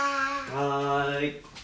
はい。